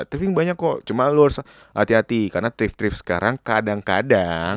thrifting banyak kok cuma lu harus hati hati karena thrift thrift sekarang kadang kadang